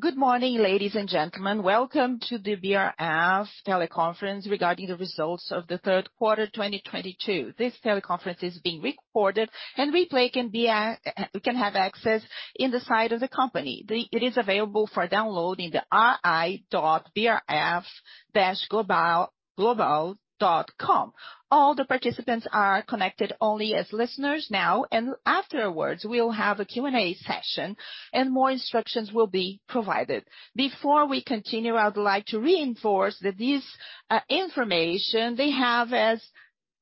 Good morning, ladies and gentlemen. Welcome to the BRF teleconference regarding the results of the third quarter 2022. This teleconference is being recorded, and replay can be, can have access in the site of the company. It is available for download in the ri.brf-global.com. All the participants are connected only as listeners now, and afterwards, we'll have a Q&A session and more instructions will be provided. Before we continue, I would like to reinforce that this information, they have as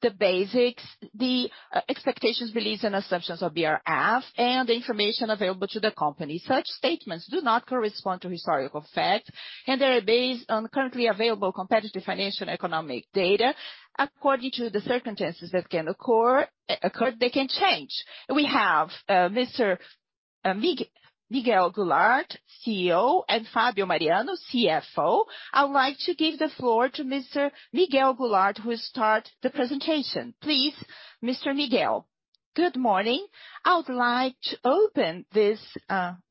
the basics, the expectations, beliefs and assumptions of BRF and the information available to the company. Such statements do not correspond to historical fact, and they are based on currently available competitive financial economic data. According to the circumstances that can occur, they can change. We have Mr. Miguel Gularte, CEO, and Fabio Mariano, CFO. I would like to give the floor to Mr. Miguel Gularte, who start the presentation. Please, Mr. Miguel. Good morning. I would like to open this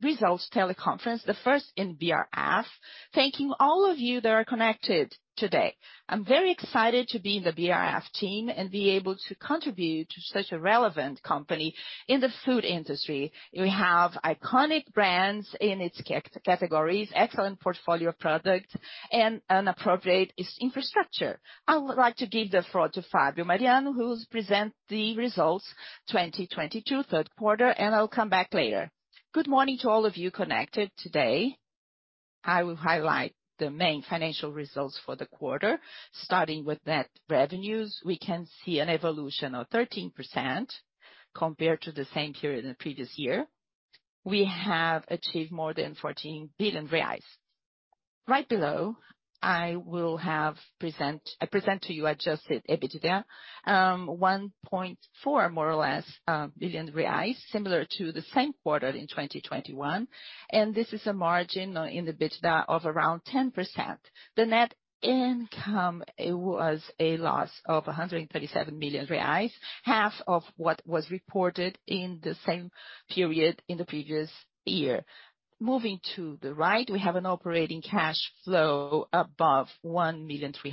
results teleconference, the first in BRF, thanking all of you that are connected today. I'm very excited to be in the BRF team and be able to contribute to such a relevant company in the food industry. We have iconic brands in its categories, excellent portfolio of product and an appropriate infrastructure. I would like to give the floor to Fabio Mariano, who's present the results 2022 third quarter, and I'll come back later. Good morning to all of you connected today. I will highlight the main financial results for the quarter. Starting with net revenues, we can see an evolution of 13% compared to the same period in the previous year. We have achieved more than 14 billion reais. Right below, I present to you adjusted EBITDA, 1.4, more or less, billion reais, similar to the same quarter in 2021. This is a margin in the EBITDA of around 10%. The net income was a loss of 137 million reais, half of what was reported in the same period in the previous year. Moving to the right, we have an operating cash flow above 1.3 billion. We're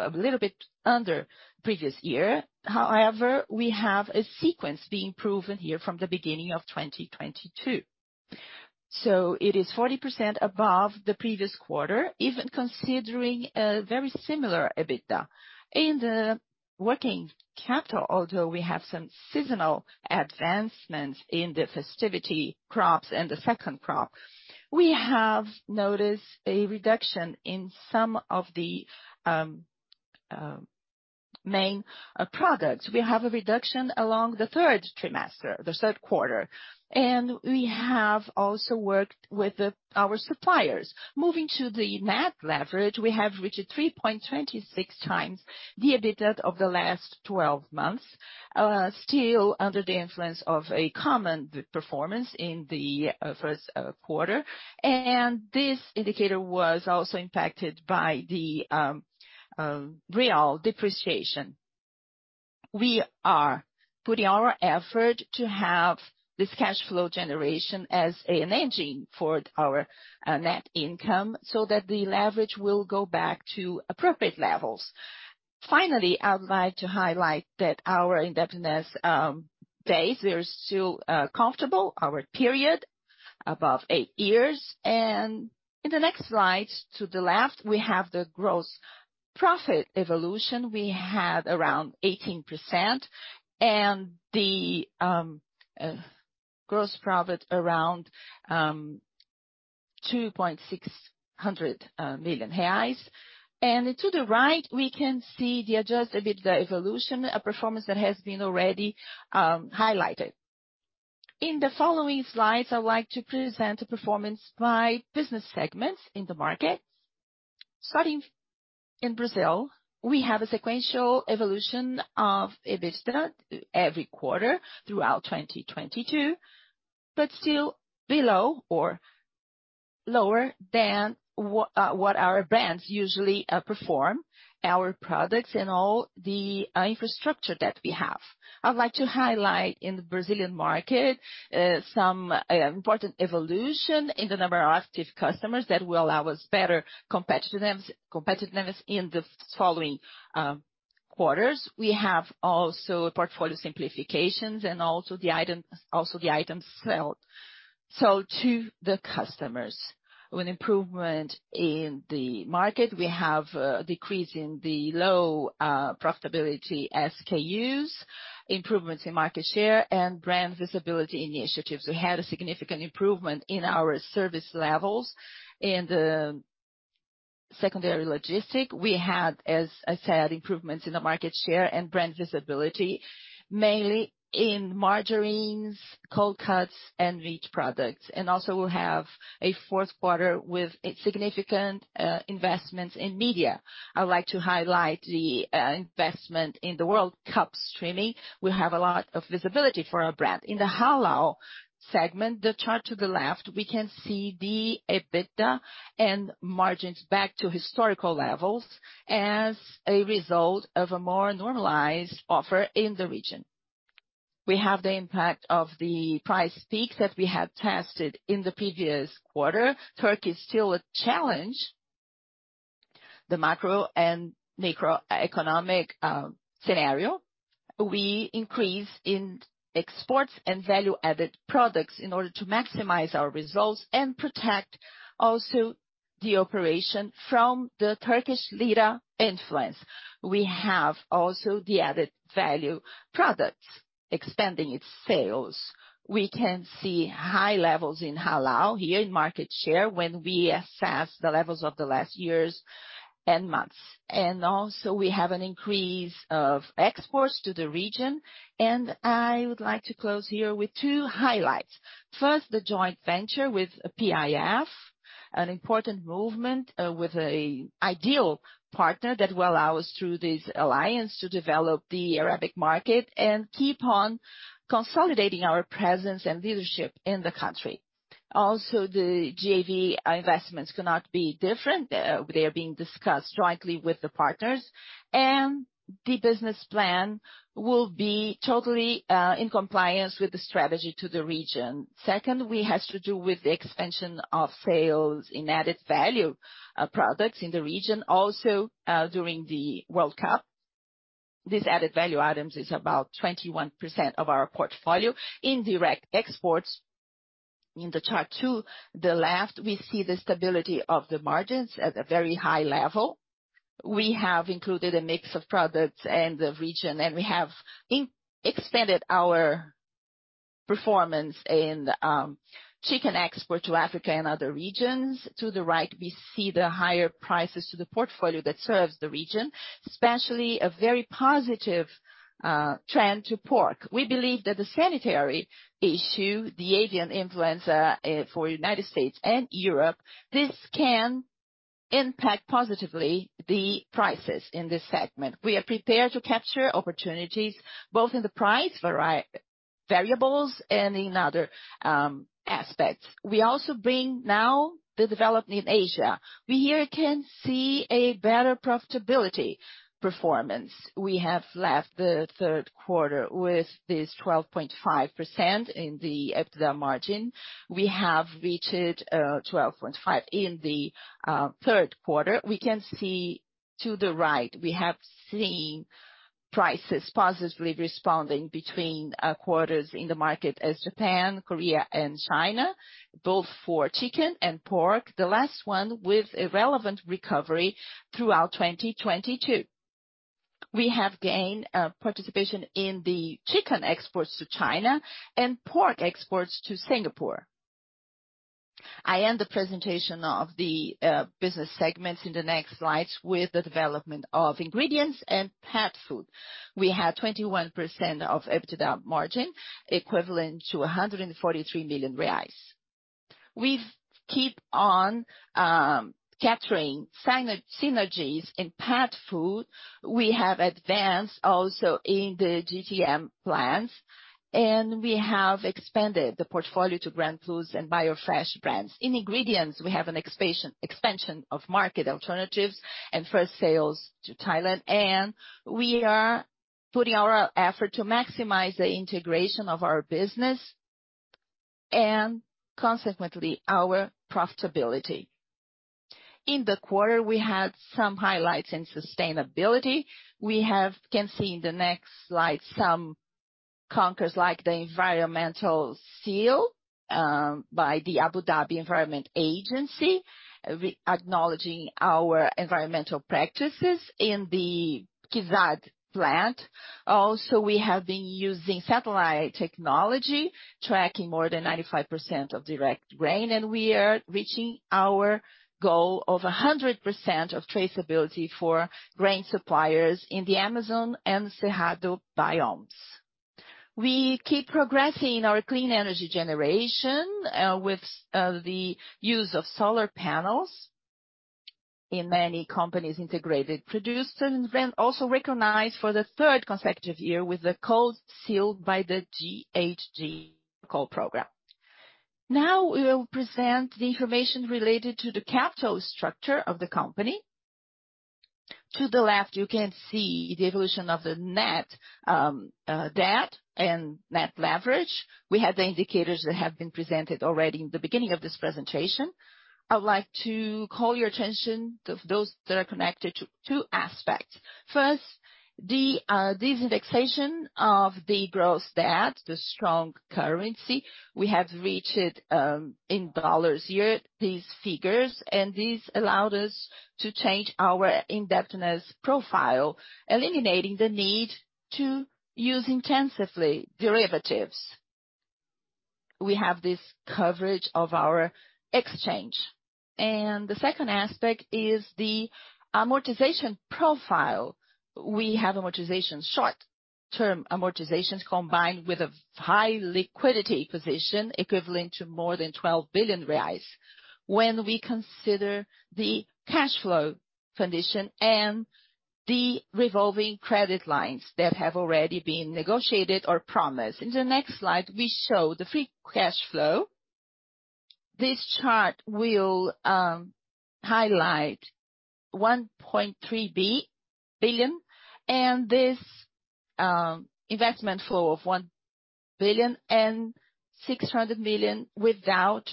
a little bit under previous year. However, we have a sequence being proven here from the beginning of 2022. It is 40% above the previous quarter, even considering a very similar EBITDA. In the working capital, although we have some seasonal advancements in the festivity crops and the second crop, we have noticed a reduction in some of the main products. We have a reduction along the third quarter. We have also worked with our suppliers. Moving to the net leverage, we have reached 3.26x the EBITDA of the last 12 months, still under the influence of a common performance in the first quarter. This indicator was also impacted by the Real depreciation. We are putting our effort to have this cash flow generation as an engine for our net income so that the leverage will go back to appropriate levels. Finally, I would like to highlight that our indebtedness base is still comfortable, our period above eight years. In the next slide to the left, we have the gross profit evolution. We had around 18% and the gross profit around 260 million reais. To the right, we can see the adjusted EBITDA evolution, a performance that has been already highlighted. In the following slides, I would like to present a performance by business segments in the markets. Starting in Brazil, we have a sequential evolution of EBITDA every quarter throughout 2022, but still below or lower than what our brands usually perform, our products and all the infrastructure that we have. I'd like to highlight in the Brazilian market, some important evolution in the number of active customers that will allow us better competitiveness in the following quarters. We have also portfolio simplifications and the item sold to the customers. With improvement in the market, we have a decrease in the low profitability SKUs, improvements in market share and brand visibility initiatives. We had a significant improvement in our service levels in the secondary logistics. We had, as I said, improvements in the market share and brand visibility, mainly in margarines, cold cuts and meat products. We'll have a fourth quarter with significant investments in media. I would like to highlight the investment in the World Cup streaming. We have a lot of visibility for our brand. In the halal segment, the chart to the left, we can see the EBITDA and margins back to historical levels as a result of a more normalized offer in the region. We have the impact of the price peak that we had tested in the previous quarter. Turkey is still a challenge. The macro and microeconomic scenario. We increase in exports and value-added products in order to maximize our results and protect also the operation from the Turkish lira influence. We have also the added value products extending its sales. We can see high levels in halal here in market share when we assess the levels of the last years and months. Also we have an increase of exports to the region. I would like to close here with two highlights. First, the joint venture with PIF, an important movement, with an ideal partner that will allow us through this alliance to develop the Arab market and keep on consolidating our presence and leadership in the country. Also, the JV investments cannot be different. They are being discussed jointly with the partners, and the business plan will be totally in compliance with the strategy to the region. Second, what has to do with the expansion of sales in added value products in the region, also during the World Cup. These added value items is about 21% of our portfolio in direct exports. In Chart two, on the left, we see the stability of the margins at a very high level. We have included a mix of products and the region, and we have expanded our performance in chicken export to Africa and other regions. To the right, we see the higher prices to the portfolio that serves the region, especially a very positive trend to pork. We believe that the sanitary issue, the avian influenza, for United States and Europe, this can impact positively the prices in this segment. We are prepared to capture opportunities, both in the price variables and in other aspects. We also bring now the development in Asia. We here can see a better profitability performance. We have left the third quarter with this 12.5% in the EBITDA margin. We have reached 12.5% in the third quarter. We can see to the right, we have seen prices positively responding between quarters in the market such as Japan, Korea and China, both for chicken and pork, the last one with a relevant recovery throughout 2022. We have gained participation in the chicken exports to China and pork exports to Singapore. I end the presentation of the business segments in the next slides with the development of ingredients and pet food. We have 21% EBITDA margin, equivalent to 143 million reais. We've keep on capturing synergies in pet food. We have advanced also in the GTM plants, and we have expanded the portfolio to Grandfood and Biofresh brands. In ingredients, we have an expansion of market alternatives and first sales to Thailand. We are putting our effort to maximize the integration of our business and consequently, our profitability. In the quarter, we had some highlights in sustainability. We can see in the next slide some conquests, like the environmental seal by the Environment Agency, Abu Dhabi, re-acknowledging our environmental practices in the Kizad plant. We have been using satellite technology, tracking more than 95% of direct grain, and we are reaching our goal of 100% of traceability for grain suppliers in the Amazon and Cerrado biomes. We keep progressing our clean energy generation with the use of solar panels in many companies integrated production, and then also recognized for the third consecutive year with the Gold Seal by the Brazilian GHG Protocol Program. Now we will present the information related to the capital structure of the company. To the left, you can see the evolution of the net debt and net leverage. We have the indicators that have been presented already in the beginning of this presentation. I would like to call your attention to those that are connected to two aspects. First, this indexation of the gross debt, the strong currency, we have reached in dollars, yeah, these figures, and this allowed us to change our indebtedness profile, eliminating the need to use intensively derivatives. We have this coverage of our exchange. The second aspect is the amortization profile. We have amortization, short-term amortizations combined with a high liquidity position equivalent to more than 12 billion reais when we consider the cash flow condition and the revolving credit lines that have already been negotiated or promised. In the next slide, we show the free cash flow. This chart will highlight 1.3 billion. This investment flow of 1.6 billion without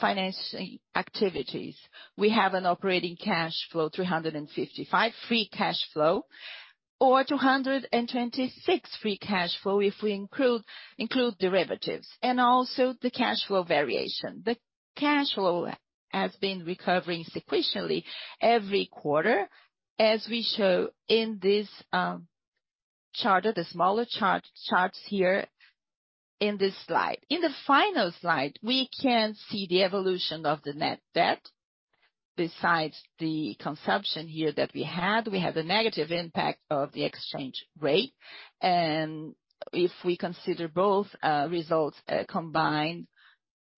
financing activities. We have an operating cash flow 355 million free cash flow, or 226 million free cash flow if we include derivatives, and also the cash flow variation. The cash flow has been recovering sequentially every quarter, as we show in this chart, or the smaller charts here in this slide. In the final slide, we can see the evolution of the net debt. Besides the consumption here that we had, we had the negative impact of the exchange rate. If we consider both results combined,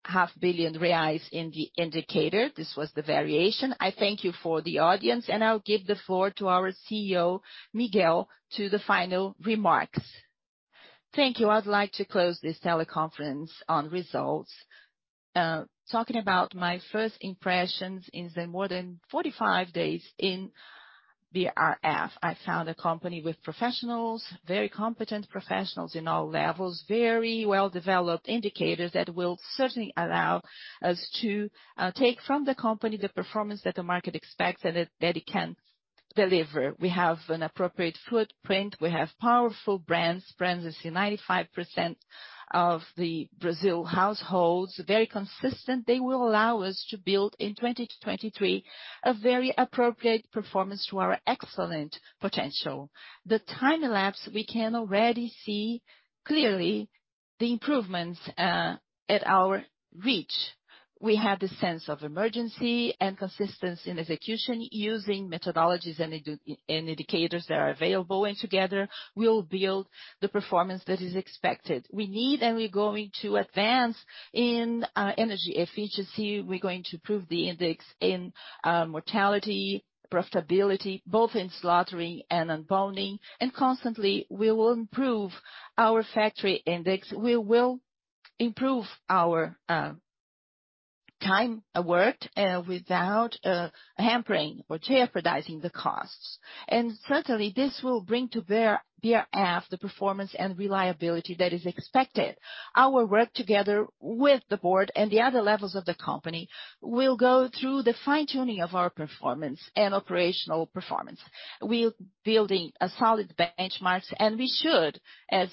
half billion BRL in the indicator, this was the variation. I thank you for the audience, and I'll give the floor to our CEO, Miguel Gularte, to the final remarks. Thank you. I'd like to close this teleconference on results. Talking about my first impressions in more than 45 days in BRF, I found a company with professionals, very competent professionals in all levels. Very well-developed indicators that will certainly allow us to take from the company the performance that the market expects and that it can deliver. We have an appropriate footprint. We have powerful brands. Brands in 95% of the Brazilian households, very consistent. They will allow us to build, in 2023, a very appropriate performance to our excellent potential. The time elapsed, we can already see clearly the improvements within our reach. We have the sense of urgency and consistency in execution using methodologies and indicators that are available. Together, we will build the performance that is expected. We need and we're going to advance in energy efficiency. We're going to improve the index in mortality, profitability, both in slaughtering and in boning. Constantly, we will improve our factory index. We will improve our time worked without hampering or jeopardizing the costs. Certainly, this will bring to bear BRF the performance and reliability that is expected. I will work together with the board and the other levels of the company. We'll go through the fine-tuning of our performance and operational performance. We're building a solid benchmarks, and we should, as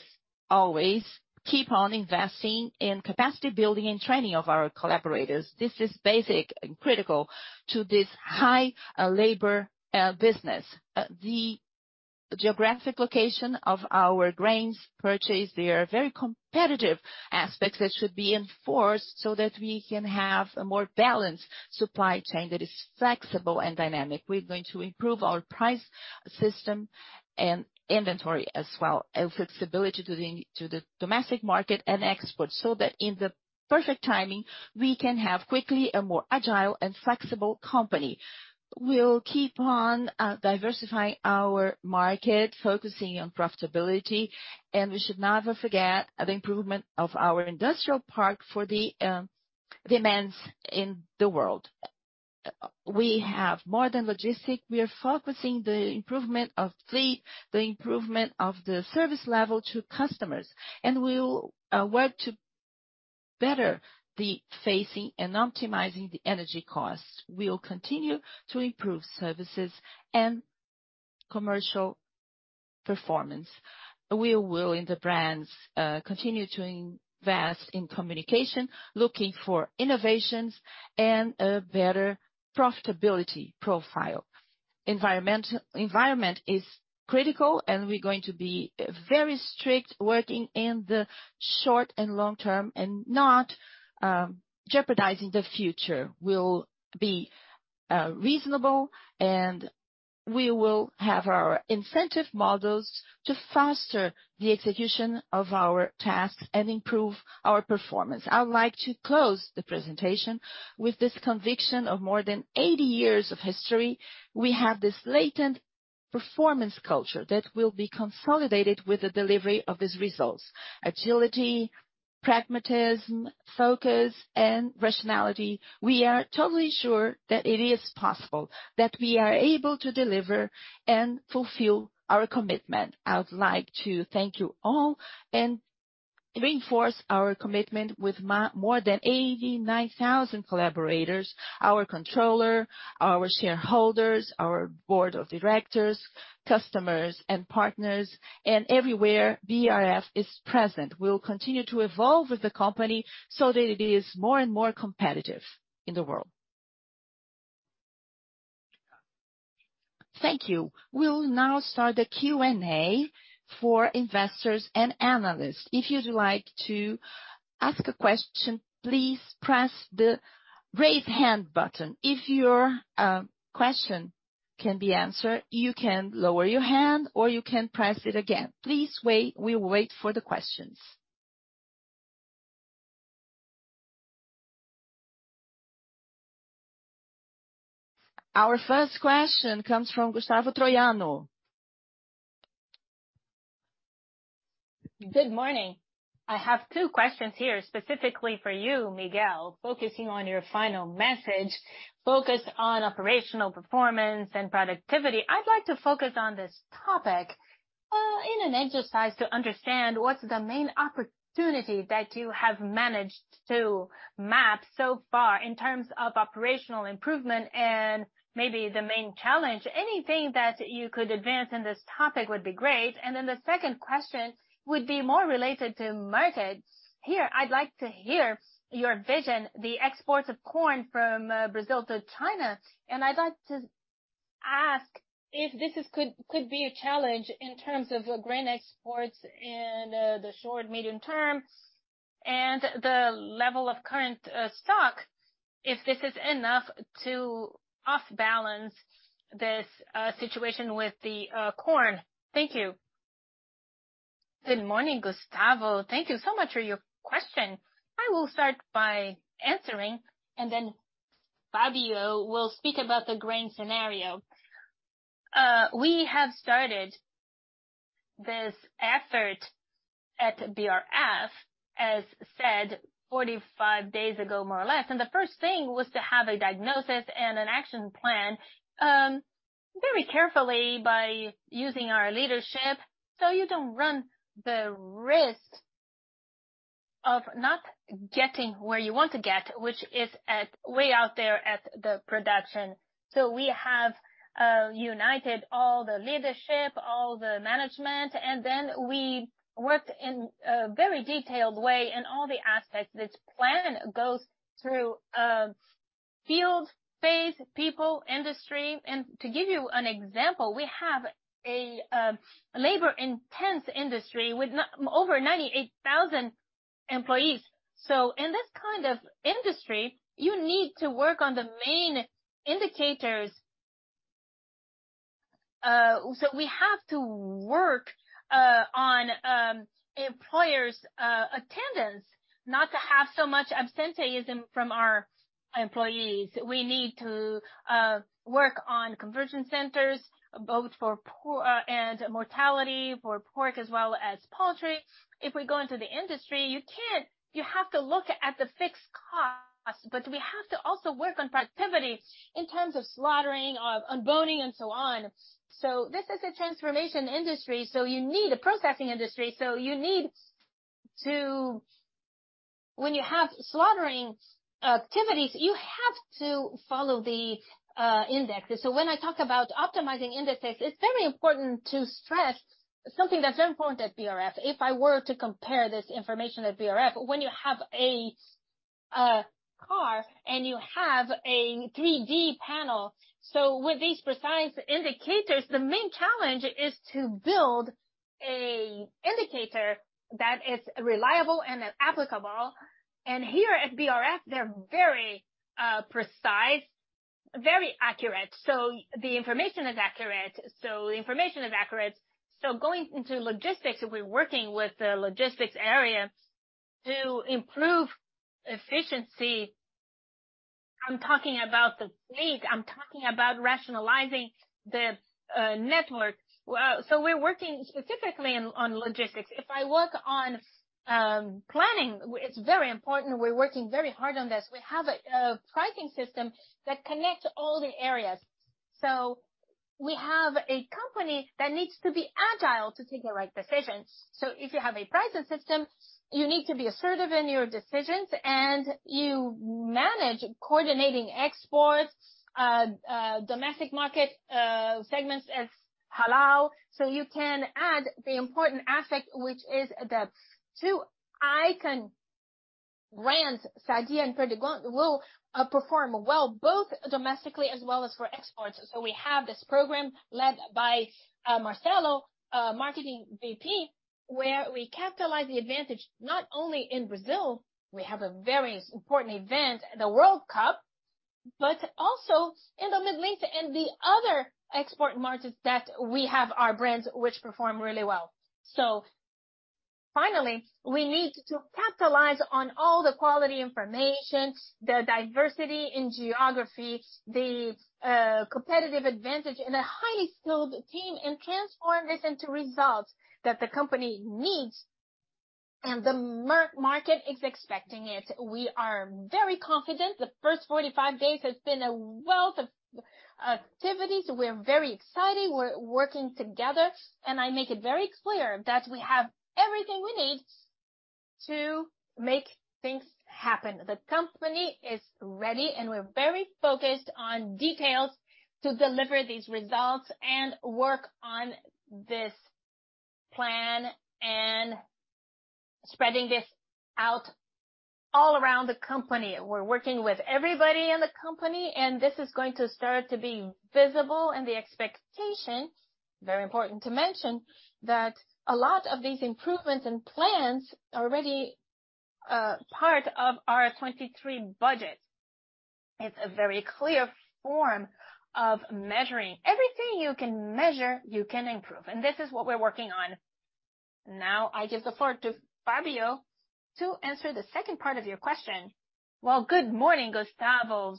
always, keep on investing in capacity building and training of our collaborators. This is basic and critical to this high labor business. The geographic location of our grains purchase, they are very competitive aspects that should be enforced so that we can have a more balanced supply chain that is flexible and dynamic. We're going to improve our price system and inventory as well, and flexibility to the domestic market and exports, so that in the perfect timing, we can have quickly a more agile and flexible company. We'll keep on diversifying our market, focusing on profitability, and we should never forget the improvement of our industrial part for the demands in the world. We have more than logistic. We are focusing the improvement of fleet, the improvement of the service level to customers. We will work to better the facing and optimizing the energy costs. We will continue to improve services and commercial performance. We will, in the brands, continue to invest in communication, looking for innovations and a better profitability profile. Environment is critical, and we're going to be very strict working in the short and long term and not jeopardizing the future. We'll be reasonable, and we will have our incentive models to faster the execution of our tasks and improve our performance. I would like to close the presentation with this conviction of more than 80 years of history. We have this latent performance culture that will be consolidated with the delivery of these results. Agility, pragmatism, focus, and rationality. We are totally sure that it is possible that we are able to deliver and fulfill our commitment. I would like to thank you all and reinforce our commitment with more than 89,000 collaborators, our controller, our shareholders, our board of directors, customers and partners, and everywhere BRF is present. We will continue to evolve with the company so that it is more and more competitive in the world. Thank you. We'll now start the Q&A for investors and analysts. If you'd like to ask a question, please press the Raise Hand button. If your question can be answered, you can lower your hand or you can press it again. Please wait. We'll wait for the questions. Our first question comes from Gustavo Troyano. Good morning. I have two questions here, specifically for you, Miguel, focusing on your final message, focused on operational performance and productivity. I'd like to focus on this topic, in an exercise to understand what's the main opportunity that you have managed to map so far in terms of operational improvement and maybe the main challenge. Anything that you could advance in this topic would be great. Then the second question would be more related to markets. Here, I'd like to hear your vision on the exports of corn from Brazil to China. I'd like to ask if this could be a challenge in terms of grain exports in the short- to medium-term and the level of current stock, if this is enough to offset this situation with the corn. Thank you. Good morning, Gustavo. Thank you so much for your question. I will start by answering and then Fabio will speak about the grain scenario. We have started this effort at BRF, as said 45 days ago, more or less. The first thing was to have a diagnosis and an action plan very carefully by using our leadership, so you don't run the risk of not getting where you want to get, which is all the way out there to the production. We have united all the leadership, all the management, and then we worked in a very detailed way in all the aspects. This plan goes through field, phase, people, industry. To give you an example, we have a labor-intensive industry with over 98,000 employees. In this kind of industry, you need to work on the main indicators. We have to work on employees' attendance, not to have so much absenteeism from our employees. We need to work on conversion centers, both for pork and mortality, for pork as well as poultry. If we go into the industry, you have to look at the fixed costs, but we have to also work on productivity in terms of slaughtering, on boning and so on. This is a transformation industry. You need a processing industry. When you have slaughtering activities, you have to follow the indexes. When I talk about optimizing indexes, it's very important to stress something that's very important at BRF. If I were to compare this information at BRF, when you have a car and you have a 3D panel, so with these precise indicators, the main challenge is to build a indicator that is reliable and applicable. Here at BRF, they're very precise, very accurate. The information is accurate. Going into logistics, we're working with the logistics area to improve efficiency. I'm talking about the fleet, I'm talking about rationalizing the network. We're working specifically on logistics. If I work on planning, it's very important, we're working very hard on this. We have a pricing system that connects all the areas. We have a company that needs to be agile to take the right decisions. If you have a pricing system, you need to be assertive in your decisions, and you manage coordinating exports, domestic market, segments as halal. You can add the important aspect, which is the two iconic brands, Sadia and Perdigão, will perform well, both domestically as well as for exports. We have this program led by Marcelo, Marketing VP, where we capitalize the advantage, not only in Brazil, we have a very important event, the World Cup, but also in the Middle East and the other export markets that we have our brands which perform really well. Finally, we need to capitalize on all the quality information, the diversity in geography, the competitive advantage and a highly skilled team and transform this into results that the company needs and the market is expecting it. We are very confident. The first 45 days has been a wealth of activities. We're very excited. We're working together, and I make it very clear that we have everything we need to make things happen. The company is ready, and we're very focused on details to deliver these results and work on this plan and spreading this out all around the company. We're working with everybody in the company, and this is going to start to be visible. The expectation, very important to mention, that a lot of these improvements and plans are already part of our 2023 budget. It's a very clear form of measuring. Everything you can measure, you can improve. This is what we're working on. Now I give the floor to Fabio Mariano to answer the second part of your question. Well, good morning, Gustavo Troyano.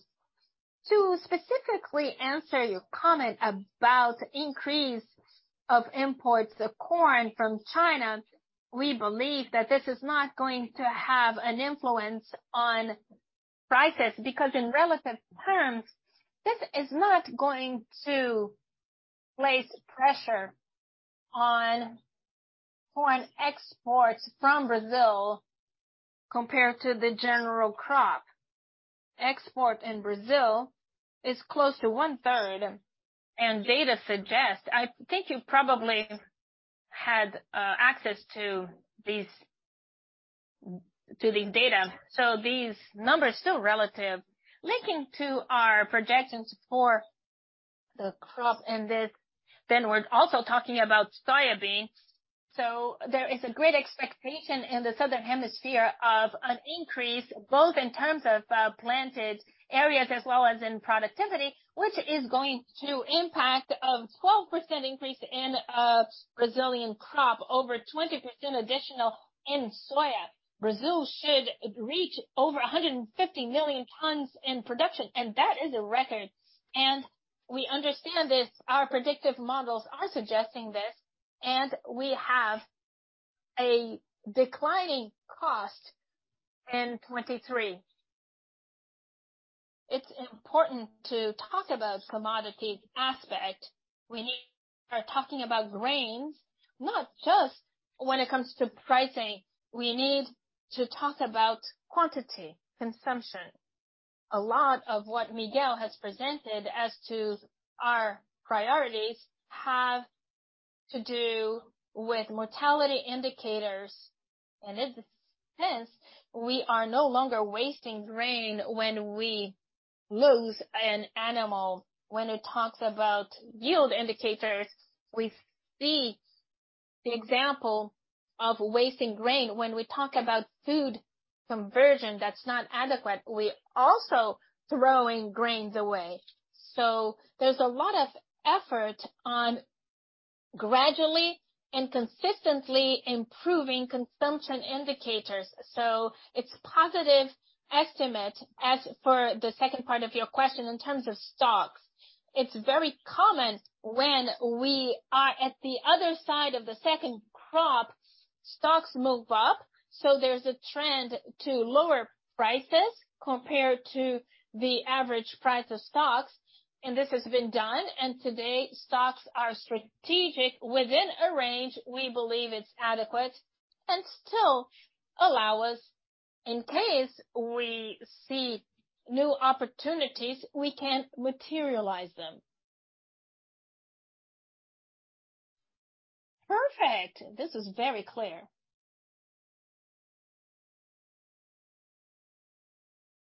To specifically answer your comment about increase of imports of corn from China, we believe that this is not going to have an influence on prices, because in relative terms, this is not going to place pressure on corn exports from Brazil compared to the general crop. Export in Brazil is close to 1/3, and data suggests. I think you probably had access to the data, so these numbers still relative. Linking to our projections for the crop in this, then we're also talking about soybeans. There is a great expectation in the southern hemisphere of an increase, both in terms of planted areas as well as in productivity, which is going to impact a 12% increase in Brazilian crop, over 20% additional in soy. Brazil should reach over 150 million tons in production, and that is a record. We understand this. Our predictive models are suggesting this, and we have a declining cost in 2023. It's important to talk about commodity aspect. We're talking about grains, not just when it comes to pricing. We need to talk about quantity, consumption. A lot of what Miguel has presented as to our priorities have to do with mortality indicators. In this sense, we are no longer wasting grain when we lose an animal. When it talks about yield indicators, we see the example of wasting grain. When we talk about feed conversion that's not adequate, we're also throwing grains away. There's a lot of effort on gradually and consistently improving consumption indicators. It's positive estimate. As for the second part of your question in terms of stocks, it's very common when we are at the other side of the second crop, stocks move up, so there's a trend to lower prices compared to the average price of stocks. This has been done, and today stocks are strategic within a range we believe it's adequate and still allow us, in case we see new opportunities, we can materialize them. Perfect. This is very clear.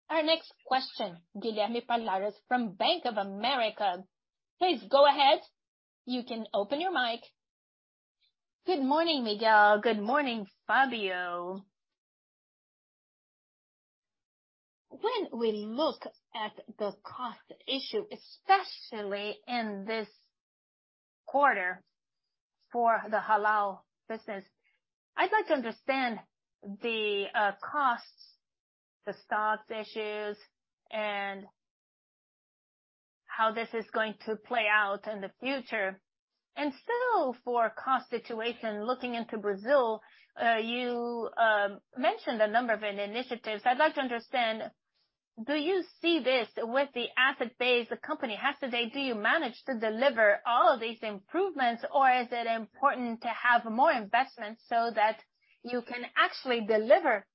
Our next question, Guilherme Palhares from Bank of America. Please go ahead. You can open your mic. Good morning, Miguel Gularte. Good morning, Fabio Mariano. When we look at the cost issue, especially in this quarter for the halal business, I'd like to understand the costs, the stocks issues, and how this is going to play out in the future. Still for cost situation, looking into Brazil, you mentioned a number of initiatives. I'd like to understand, do you see this with the asset base the company has today? Do you manage to deliver all of these improvements, or is it important to have more investments so that you can actually deliver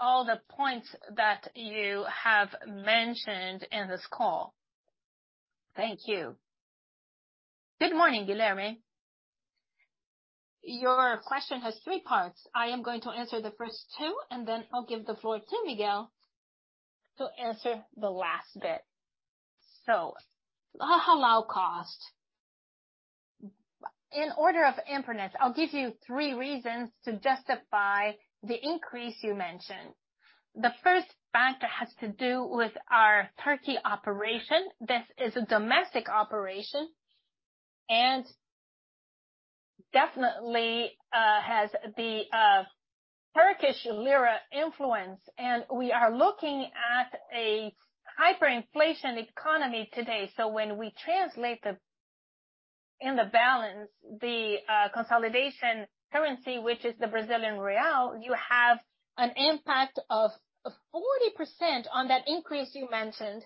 all the points that you have mentioned in this call? Thank you. Good morning, Guilherme. Your question has three parts. I am going to answer the first two, and then I'll give the floor to Miguel to answer the last bit. The halal cost. In order of importance, I'll give you three reasons to justify the increase you mentioned. The first factor has to do with our Turkey operation. This is a domestic operation and definitely has the Turkish lira influence, and we are looking at a hyperinflation economy today. When we translate in the balance the consolidation currency, which is the Brazilian real, you have an impact of 40% on that increase you mentioned.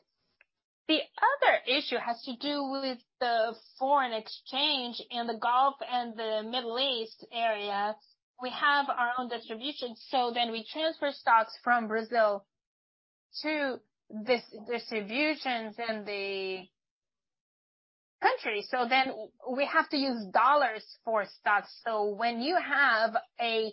The other issue has to do with the foreign exchange in the Gulf and the Middle East area. We have our own distribution, so we transfer stocks from Brazil to these distributions in the country. We have to use dollars for stocks. When you have an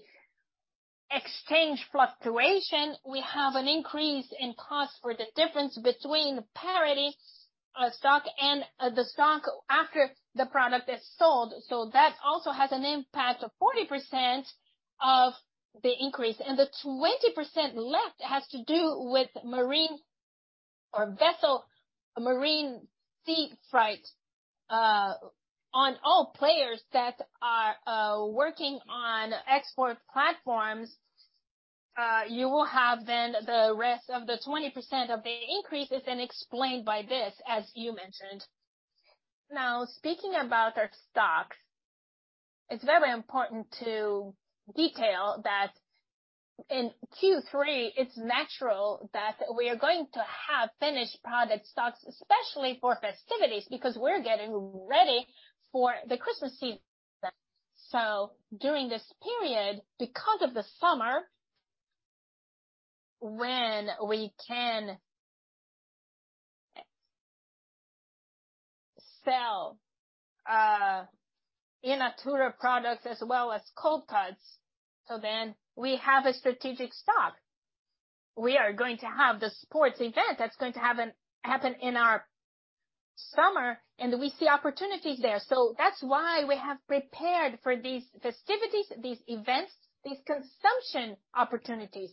exchange fluctuation, we have an increase in cost for the difference between parity stock and the stock after the product is sold. That also has an impact of 40% the increase. The 20% left has to do with marine sea freight on all players that are working on export platforms. You will have the rest of the 20% of the increase is then explained by this, as you mentioned. Now, speaking about our stocks, it's very important to detail that in Q3, it's natural that we are going to have finished product stocks, especially for festivities, because we're getting ready for the Christmas season. During this period, because of the summer, when we can sell in natura products as well as cold cuts, we have a strategic stock. We are going to have the sports event that's going to happen in our summer, and we see opportunities there. That's why we have prepared for these festivities, these events, these consumption opportunities.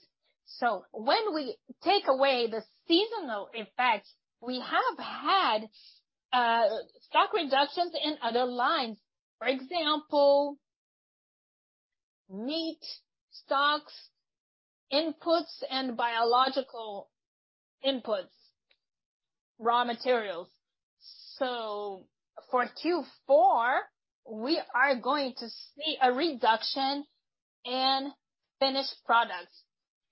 When we take away the seasonal impact, we have had stock reductions in other lines. For example, meat stocks, inputs and biological inputs, raw materials. For Q4, we are going to see a reduction in finished products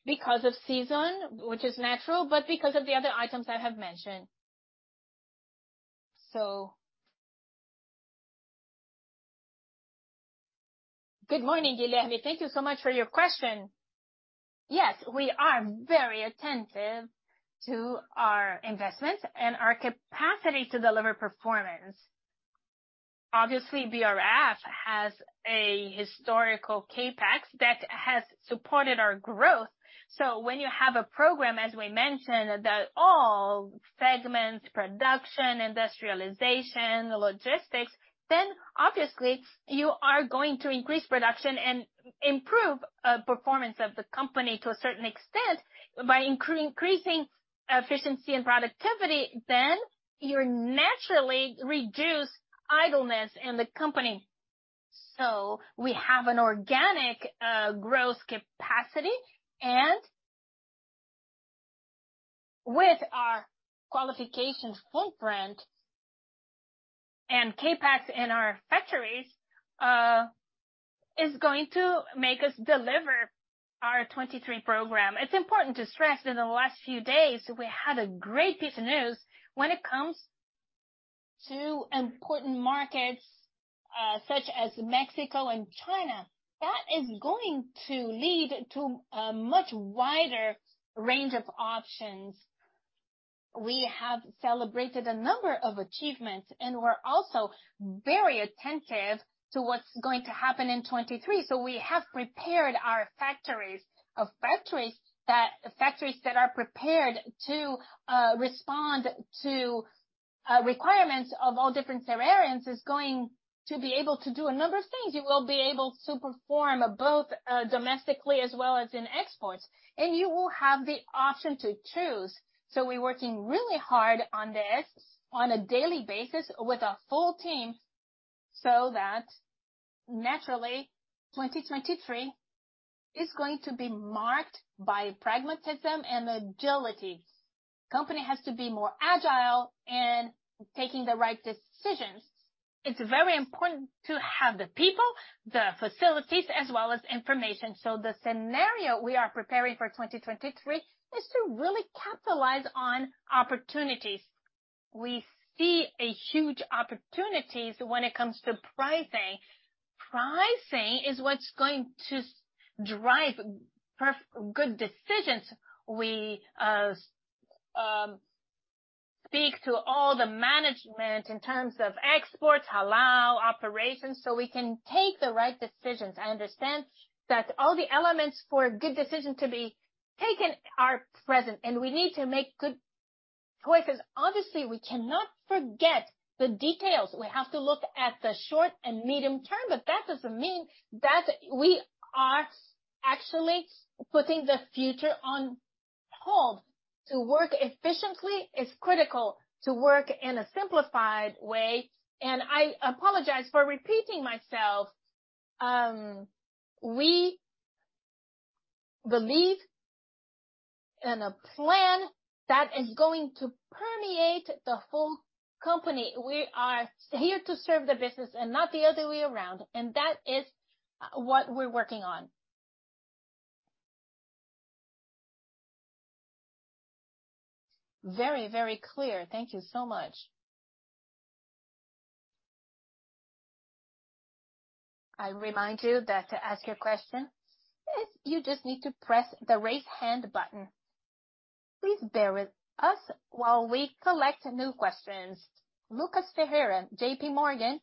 because of season, which is natural, but because of the other items I have mentioned. Good morning, Guilherme. Thank you so much for your question. Yes, we are very attentive to our investment and our capacity to deliver performance. Obviously, BRF has a historical CapEx that has supported our growth. When you have a program, as we mentioned, that all segments, production, industrialization, logistics, then obviously you are going to increase production and improve performance of the company to a certain extent. By increasing efficiency and productivity, then you naturally reduce idleness in the company. We have an organic growth capacity and with our qualifications footprint and CapEx in our factories is going to make us deliver our 2023 program. It's important to stress that in the last few days, we had a great piece of news when it comes to important markets, such as Mexico and China. That is going to lead to a much wider range of options. We have celebrated a number of achievements, and we're also very attentive to what's going to happen in 2023. We have prepared our factories that are prepared to respond to requirements of all different scenarios, is going to be able to do a number of things. You will be able to perform both, domestically as well as in exports, and you will have the option to choose. We're working really hard on this on a daily basis with a full team, so that naturally, 2023 is going to be marked by pragmatism and agility. Company has to be more agile in taking the right decisions. It's very important to have the people, the facilities, as well as information. The scenario we are preparing for 2023 is to really capitalize on opportunities. We see a huge opportunities when it comes to pricing. Pricing is what's going to drive good decisions. We speak to all the management in terms of exports, halal operations, so we can take the right decisions. I understand that all the elements for a good decision to be taken are present and we need to make good choices. Obviously, we cannot forget the details. We have to look at the short and medium term, but that doesn't mean that we are actually putting the future on hold. To work efficiently is critical to work in a simplified way. I apologize for repeating myself. We believe in a plan that is going to permeate the whole company. We are here to serve the business and not the other way around, and that is what we're working on. Very, very clear. Thank you so much. I remind you that to ask your question, if you just need to press the Raise Hand button. Please bear with us while we collect new questions. Lucas Ferreira, JPMorgan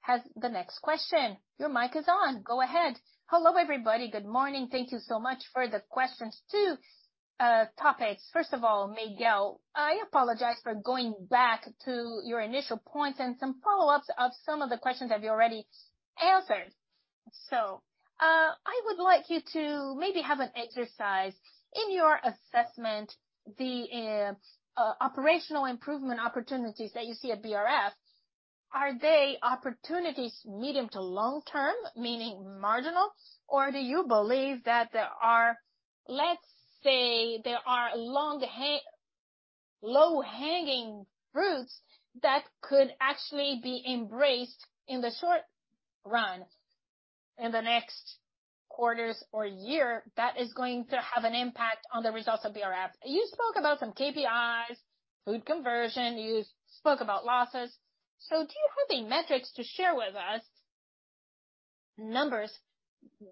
has the next question. Your mic is on. Go ahead. Hello, everybody. Good morning. Thank you so much for the questions, too. Topics. First of all, Miguel, I apologize for going back to your initial points and some follow-ups of some of the questions that you already answered. I would like you to maybe have an exercise. In your assessment, the operational improvement opportunities that you see at BRF, are they opportunities medium to long-term, meaning marginal? Or do you believe that there are, let's say, low-hanging fruits that could actually be embraced in the short run, in the next quarters or year, that is going to have an impact on the results of BRF? You spoke about some KPIs, feed conversion, you spoke about losses. Do you have the metrics to share with us numbers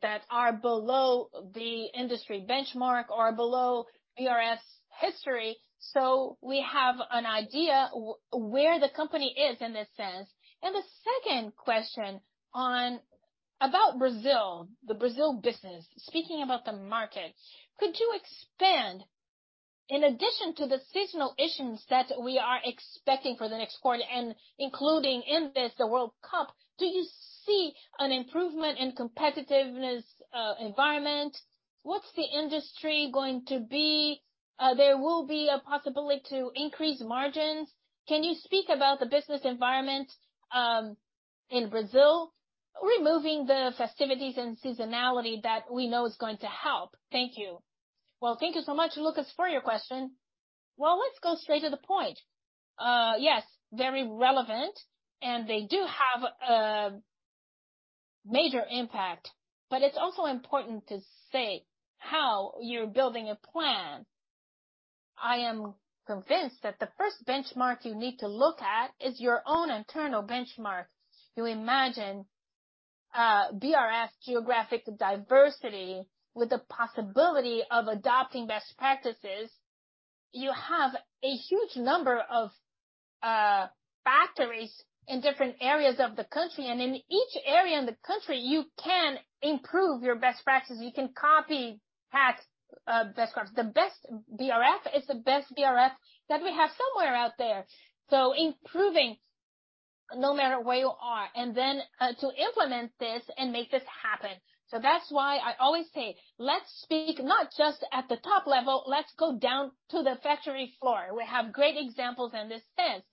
that are below the industry benchmark or below BRF's history, so we have an idea where the company is in this sense? The second question about Brazil, the Brazil business. Speaking about the market, could you expand, in addition to the seasonal issues that we are expecting for the next quarter, and including in this the World Cup, do you see an improvement in competitive environment? What's the industry going to be? There will be a possibility to increase margins. Can you speak about the business environment, in Brazil, removing the festivities and seasonality that we know is going to help? Thank you. Well, thank you so much, Lucas, for your question. Well, let's go straight to the point. Yes, very relevant, and they do have a major impact, but it's also important to say how you're building a plan. I am convinced that the first benchmark you need to look at is your own internal benchmark. You imagine, BRF's geographic diversity with the possibility of adopting best practices. You have a huge number of factories in different areas of the country, and in each area in the country, you can improve your best practices. You can copy best. The best BRF is the best BRF that we have somewhere out there. Improving no matter where you are, and then to implement this and make this happen. That's why I always say, "Let's speak not just at the top level. Let's go down to the factory floor." We have great examples in this sense.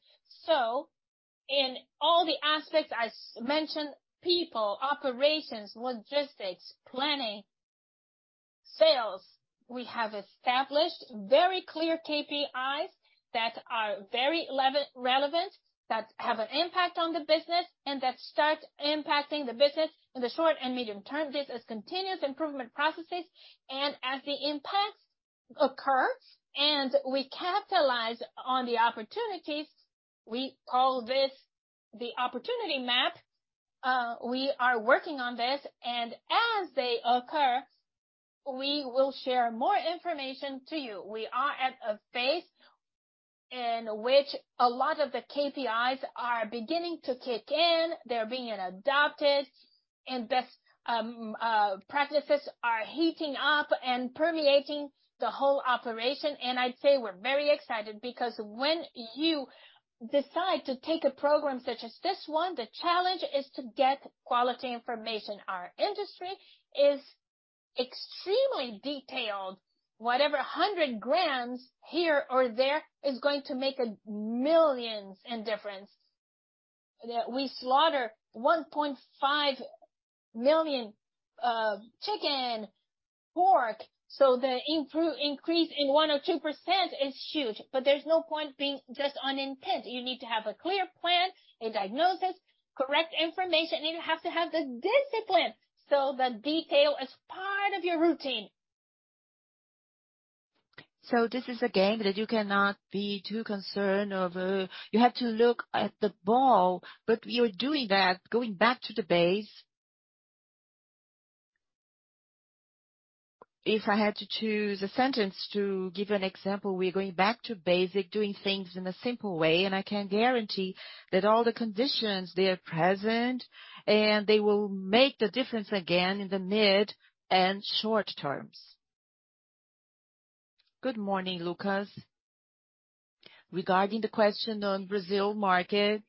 In all the aspects I mentioned, people, operations, logistics, planning, sales, we have established very clear KPIs that are very relevant, that have an impact on the business, and that start impacting the business in the short and medium term. This is continuous improvement processes, and as the impacts occur, and we capitalize on the opportunities, we call this the opportunity map. We are working on this, and as they occur, we will share more information to you. We are at a phase in which a lot of the KPIs are beginning to kick in. They're being adopted and best practices are heating up and permeating the whole operation. I'd say we're very excited because when you decide to take a program such as this one, the challenge is to get quality information. Our industry is extremely detailed. Whatever hundred grams here or there is going to make millions in difference. We slaughter 1.5 million chicken, pork, so the increase in 1% or 2% is huge. But there's no point being just on intent. You need to have a clear plan, a diagnosis, correct information, and you have to have the discipline, so the detail is part of your routine. This is a game that you cannot be too concerned over. You have to look at the ball, but you're doing that, going back to the base. If I had to choose a sentence to give an example, we're going back to basics, doing things in a simple way, and I can guarantee that all the conditions, they are present, and they will make the difference again in the mid and short terms. Good morning, Lucas. Regarding the question on Brazil market,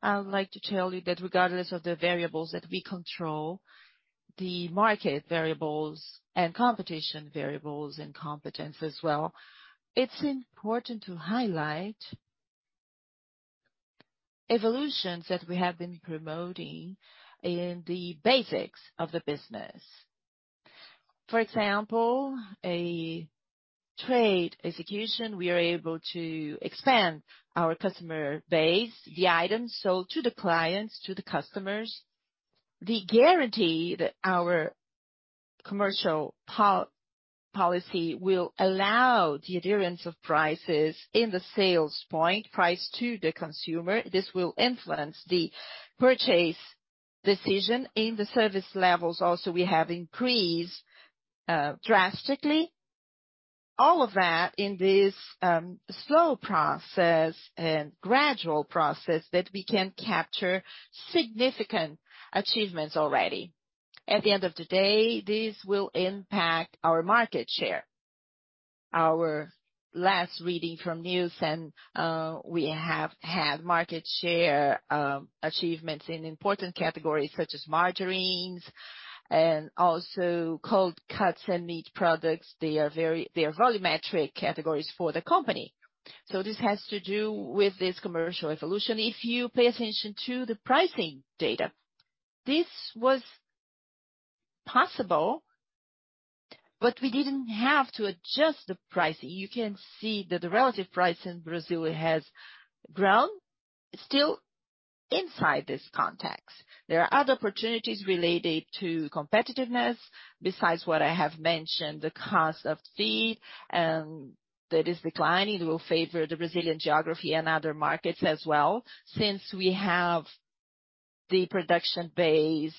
I would like to tell you that regardless of the variables that we control, the market variables and competition variables and competency as well, it's important to highlight evolutions that we have been promoting in the basics of the business. For example, a trade execution, we are able to expand our customer base, the items sold to the clients, to the customers. The guarantee that our commercial policy will allow the adherence of prices in the sales point, price to the consumer, this will influence the purchase decision. In the service levels also we have increased drastically. All of that in this slow process and gradual process that we can capture significant achievements already. At the end of the day, this will impact our market share. Our last reading from news and we have had market share achievements in important categories such as margarines and also cold cuts and meat products. They are volumetric categories for the company. This has to do with this commercial evolution. If you pay attention to the pricing data, this was possible, but we didn't have to adjust the pricing. You can see that the relative price in Brazil has grown still inside this context. There are other opportunities related to competitiveness. Besides what I have mentioned, the cost of feed that is declining will favor the Brazilian geography and other markets as well since we have the production base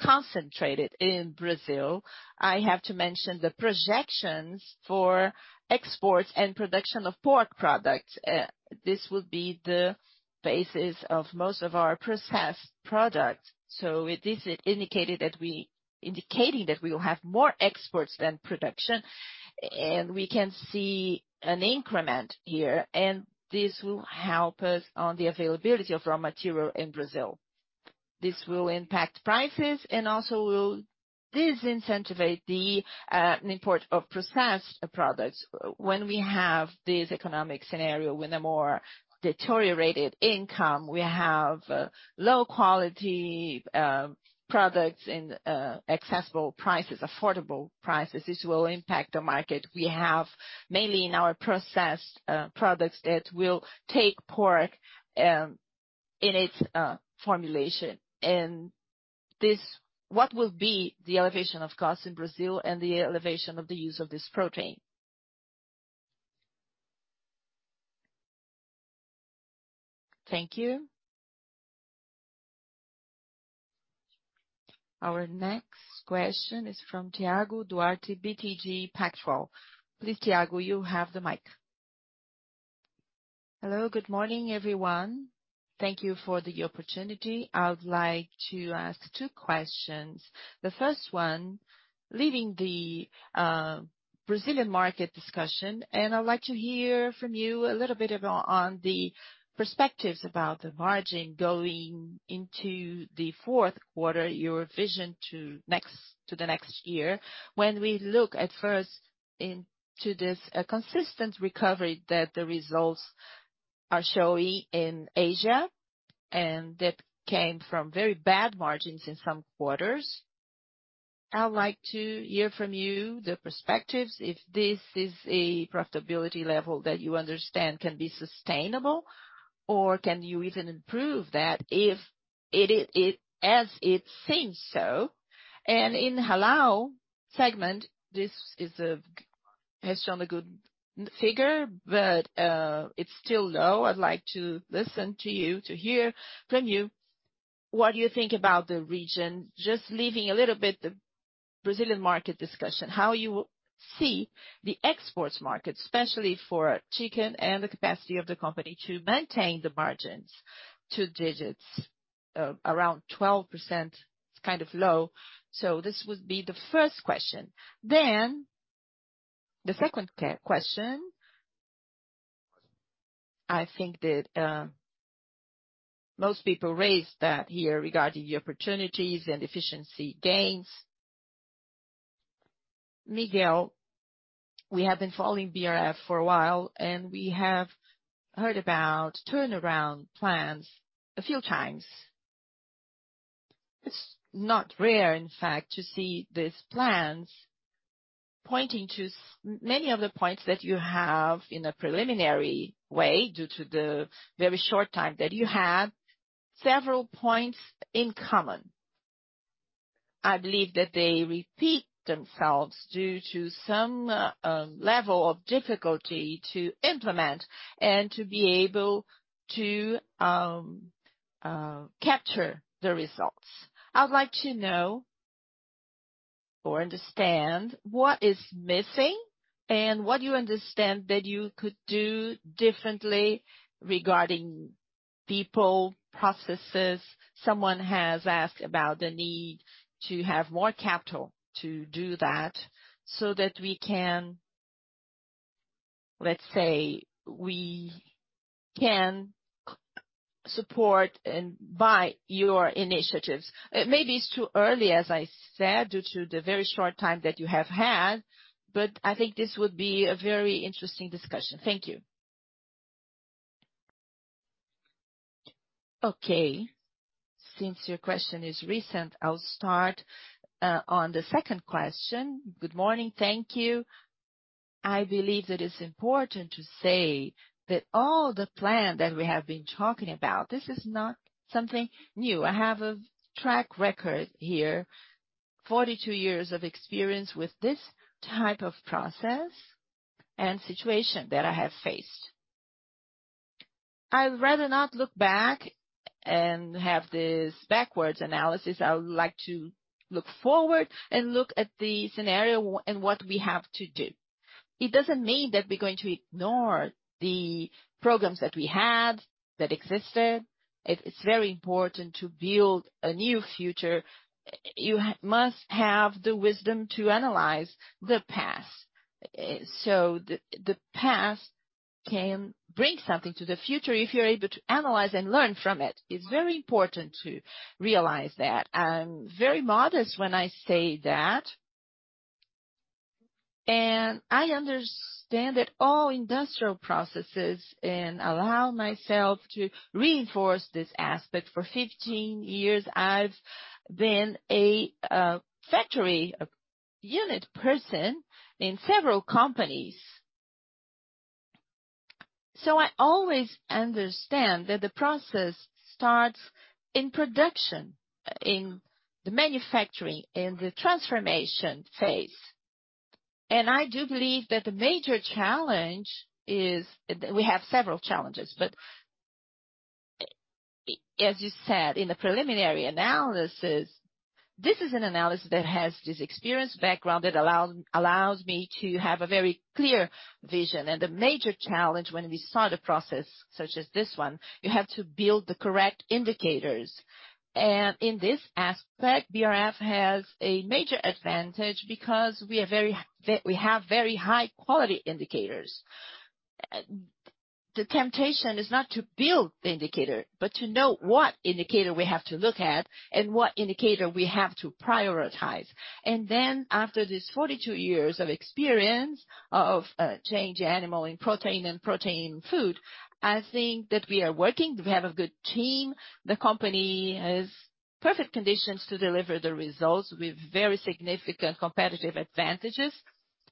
concentrated in Brazil. I have to mention the projections for exports and production of pork products. This would be the basis of most of our processed products. This indicated that we will have more exports than production, and we can see an increment here and this will help us on the availability of raw material in Brazil. This will impact prices and also will disincentivize the import of processed products. When we have this economic scenario, with a more deteriorated income, we have low quality products in accessible prices, affordable prices. This will impact the market we have, mainly in our processed products that will take pork in its formulation. What will be the elevation of costs in Brazil and the elevation of the use of this protein? Thank you. Our next question is from Thiago Duarte, BTG Pactual. Please, Thiago, you have the mic. Hello, good morning, everyone. Thank you for the opportunity. I would like to ask two questions. The first one, leaving the Brazilian market discussion, and I'd like to hear from you a little bit about the perspectives about the margin going into the fourth quarter, your vision to the next year. When we look first into this consistent recovery that the results are showing in Asia and that came from very bad margins in some quarters. I would like to hear from you the perspectives, if this is a profitability level that you understand can be sustainable or can you even improve that if it, as it seems so. In halal segment, this has shown a good figure, but it's still low. I'd like to listen to you, to hear from you what you think about the region. Just leaving a little bit the Brazilian market discussion, how you see the exports market, especially for chicken and the capacity of the company to maintain the margins, two digits, around 12%. It's kind of low. This would be the first question. The second question, I think that, most people raised that here regarding the opportunities and efficiency gains. Miguel, we have been following BRF for a while, and we have heard about turnaround plans a few times. It's not rare, in fact, to see these plans pointing to many of the points that you have in a preliminary way due to the very short time that you have several points in common. I believe that they repeat themselves due to some level of difficulty to implement and to be able to capture the results. I would like to know or understand what is missing and what you understand that you could do differently regarding people, processes. Someone has asked about the need to have more capital to do that so that we can, let's say, we can support and back your initiatives. Maybe it's too early, as I said, due to the very short time that you have had, but I think this would be a very interesting discussion. Thank you. Okay. Since your question is recent, I'll start on the second question. Good morning. Thank you. I believe that it's important to say that all the plan that we have been talking about, this is not something new. I have a track record here, 42 years of experience with this type of process and situation that I have faced. I'd rather not look back and have this backwards analysis. I would like to look forward and look at the scenario and what we have to do. It doesn't mean that we're going to ignore the programs that we had that existed. It's very important to build a new future. You must have the wisdom to analyze the past. The past can bring something to the future if you're able to analyze and learn from it. It's very important to realize that. I'm very modest when I say that. I understand that all industrial processes, and allow myself to reinforce this aspect. For 15 years, I've been a factory unit person in several companies. I always understand that the process starts in production, in the manufacturing, in the transformation phase. I do believe that the major challenge is we have several challenges, but as you said in the preliminary analysis, this is an analysis that has this experience background that allows me to have a very clear vision. The major challenge when we start a process such as this one, you have to build the correct indicators. In this aspect, BRF has a major advantage because we have very high quality indicators. The temptation is not to build the indicator, but to know what indicator we have to look at and what indicator we have to prioritize. Then after this 42 years of experience of changing animal and protein and protein food, I think that we are working. We have a good team. The company has perfect conditions to deliver the results with very significant competitive advantages.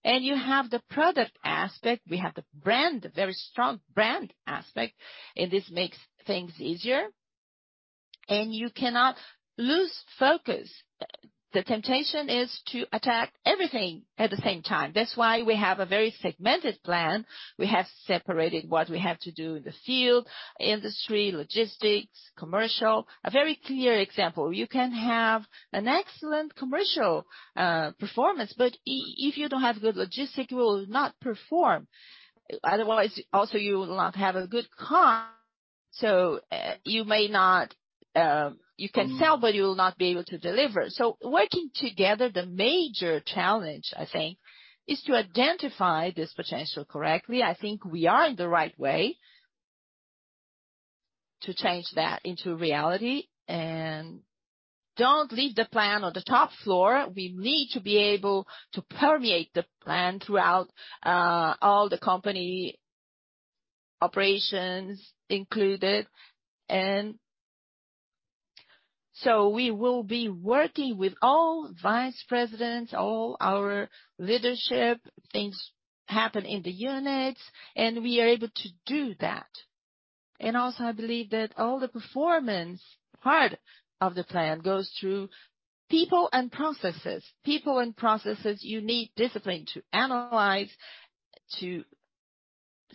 You have the product aspect. We have the brand, very strong brand aspect, and this makes things easier. You cannot lose focus. The temptation is to attack everything at the same time. That's why we have a very segmented plan. We have separated what we have to do in the field, industry, logistics, commercial. A very clear example, you can have an excellent commercial performance, but if you don't have good logistics, you will not perform. You can sell, but you will not be able to deliver. Working together, the major challenge, I think, is to identify this potential correctly. I think we are in the right way to change that into reality. Don't leave the plan on the top floor. We need to be able to permeate the plan throughout all the company operations included. We will be working with all vice presidents, all our leadership. Things happen in the units, and we are able to do that. I believe that all the performance part of the plan goes through people and processes. People and processes, you need discipline to analyze, to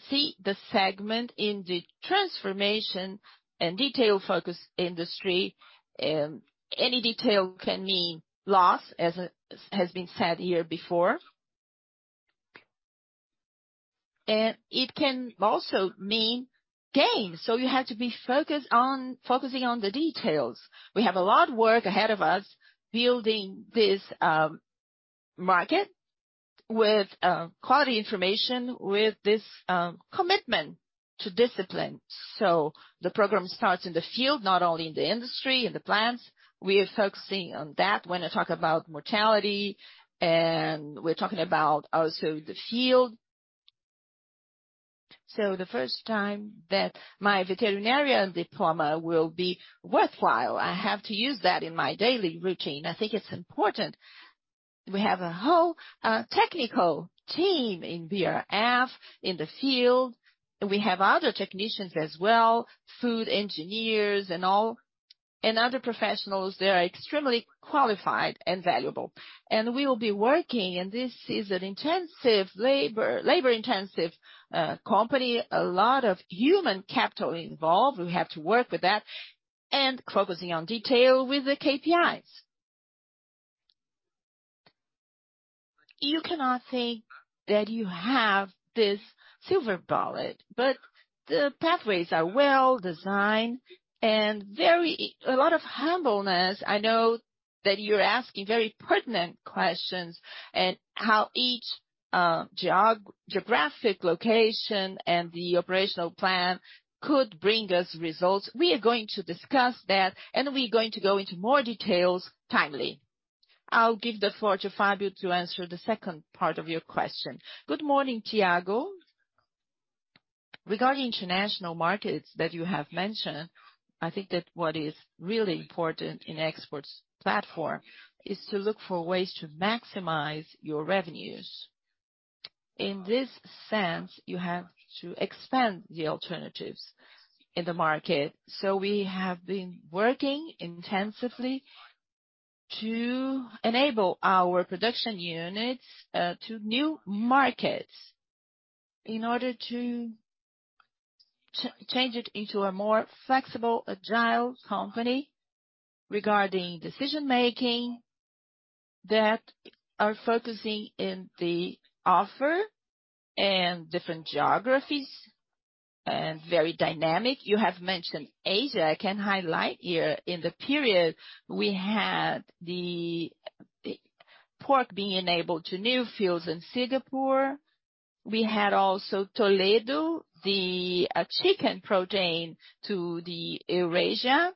see the segment in the transformation and detail-focused industry. Any detail can mean loss, as has been said here before. It can also mean gain. You have to be focused on focusing on the details. We have a lot of work ahead of us building this market with quality information, with this commitment to discipline. The program starts in the field, not only in the industry, in the plants. We are focusing on that when I talk about mortality, and we're talking about also the field. The first time that my veterinarian diploma will be worthwhile. I have to use that in my daily routine. I think it's important. We have a whole technical team in BRF in the field, and we have other technicians as well, food engineers and all, and other professionals. They are extremely qualified and valuable. We will be working, and this is an intensive labor-intensive company. A lot of human capital involved. We have to work with that and focusing on detail with the KPIs. You cannot think that you have this silver bullet, but the pathways are well-designed and very a lot of humbleness. I know that you're asking very pertinent questions and how each geographic location and the operational plan could bring us results. We are going to discuss that, and we're going to go into more details timely. I'll give the floor to Fabio to answer the second part of your question. Good morning, Thiago. Regarding international markets that you have mentioned, I think that what is really important in exports platform is to look for ways to maximize your revenues. In this sense, you have to expand the alternatives in the market. We have been working intensively to enable our production units to new markets in order to change it into a more flexible, agile company regarding decision-making that are focusing in the offer and different geographies and very dynamic. You have mentioned Asia. I can highlight here in the period we had the pork being enabled to new fields in Singapore. We had also Toledo, the chicken protein to the Eurasia.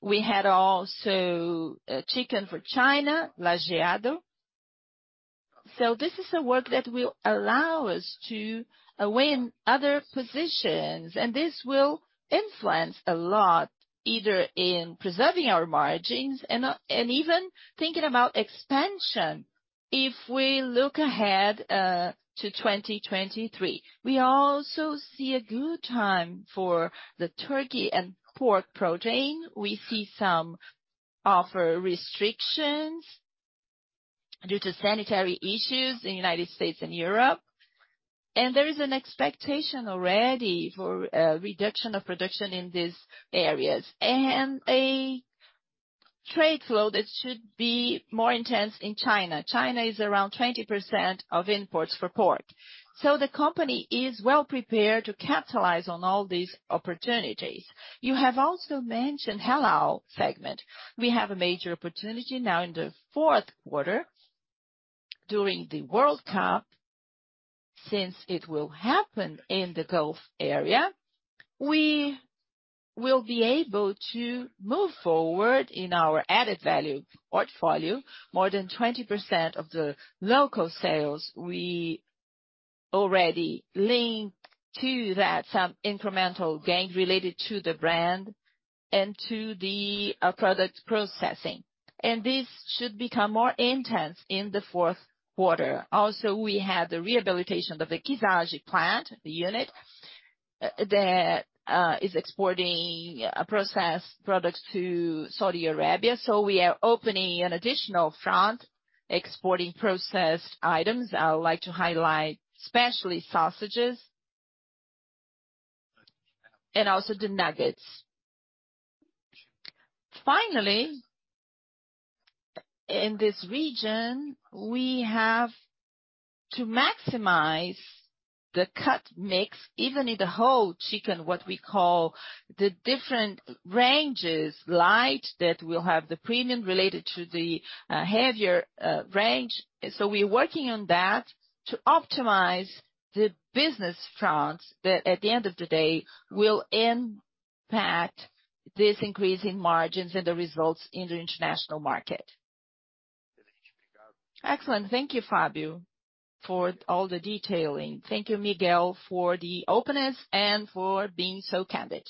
We had also chicken for China, Lajeado. This is a work that will allow us to weigh in other positions, and this will influence a lot, either in preserving our margins and even thinking about expansion. If we look ahead to 2023, we also see a good time for the turkey and pork protein. We see some offer restrictions due to sanitary issues in United States and Europe. There is an expectation already for reduction of production in these areas. A trade flow that should be more intense in China. China is around 20% of imports for pork. The company is well prepared to capitalize on all these opportunities. You have also mentioned halal segment. We have a major opportunity now in the fourth quarter during the World Cup, since it will happen in the Gulf area. We will be able to move forward in our added value portfolio. More than 20% of the local sales we already linked to that, some incremental gain related to the brand and to the product processing. This should become more intense in the fourth quarter. Also, we have the rehabilitation of the Quisaji plant unit that is exporting processed products to Saudi Arabia, so we are opening an additional front exporting processed items. I would like to highlight especially sausages and also the nuggets. Finally, in this region, we have to maximize the cut mix, even in the whole chicken, what we call the different ranges. Light, that will have the premium related to the heavier range. We're working on that to optimize the business front that at the end of the day will impact this increase in margins and the results in the international market. Excellent. Thank you, Fabio, for all the detailing. Thank you, Miguel, for the openness and for being so candid.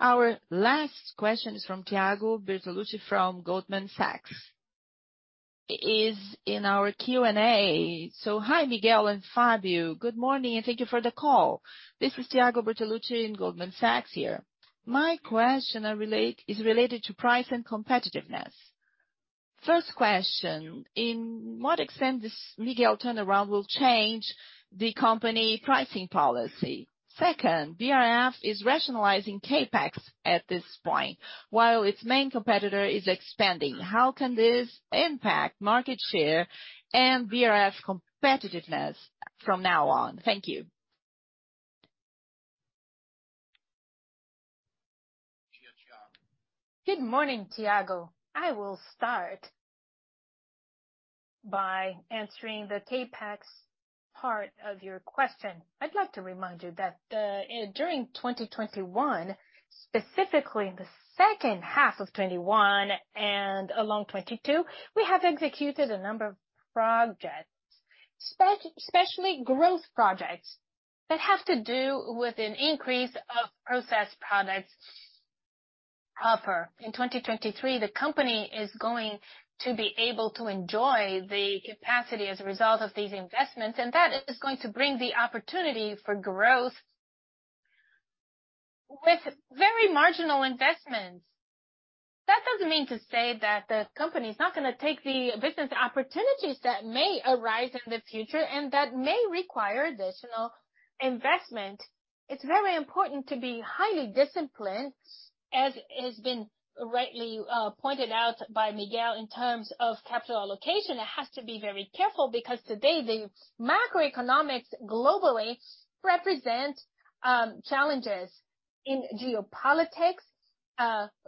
Our last question is from Thiago Bertolucci from Goldman Sachs. It is in our Q&A. Hi, Miguel and Fabio, good morning, and thank you for the call. This is Thiago Bertolucci in Goldman Sachs here. My question is related to price and competitiveness. First question: To what extent will this major turnaround change the company pricing policy? Second, BRF is rationalizing CapEx at this point, while its main competitor is expanding. How can this impact market share and BRF competitiveness from now on? Thank you. Good morning, Thiago. I will start by answering the CapEx part of your question. I'd like to remind you that during 2021, specifically in the second half of 2021 and along 2022, we have executed a number of projects, especially growth projects that have to do with an increase of processed products offering. In 2023, the company is going to be able to enjoy the capacity as a result of these investments, and that is going to bring the opportunity for growth with very marginal investments. That doesn't mean to say that the company is not gonna take the business opportunities that may arise in the future, and that may require additional investment. It's very important to be highly disciplined, as has been rightly pointed out by Miguel in terms of capital allocation. It has to be very careful because today the macroeconomics globally represent challenges in geopolitics,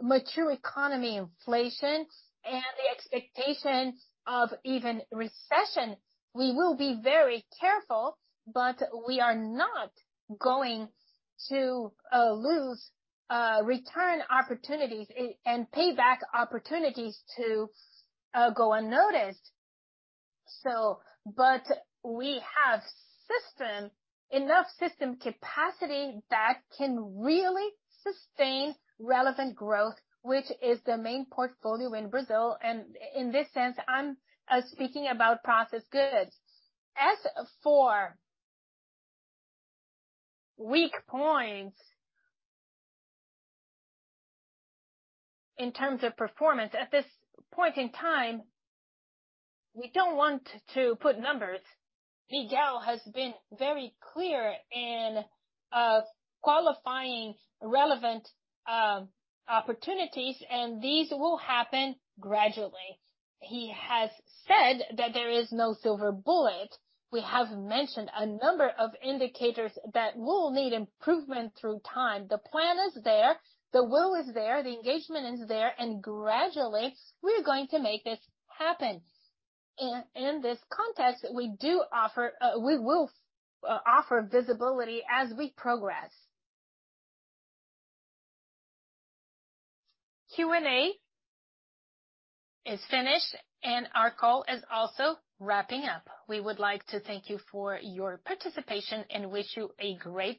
mature economy inflations and the expectations of even recession. We will be very careful, but we are not going to lose return opportunities and pay back opportunities to go unnoticed. We have enough system capacity that can really sustain relevant growth, which is the main portfolio in Brazil. In this sense, I'm speaking about processed goods. As for weak points in terms of performance, at this point in time, we don't want to put numbers. Miguel has been very clear in qualifying relevant opportunities, and these will happen gradually. He has said that there is no silver bullet. We have mentioned a number of indicators that will need improvement through time. The plan is there, the will is there, the engagement is there, and gradually, we're going to make this happen. In this context, we will offer visibility as we progress. Q&A is finished, and our call is also wrapping up. We would like to thank you for your participation and wish you a great day.